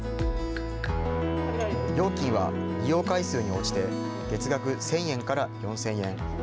料金は利用回数に応じて月額１０００円から４０００円。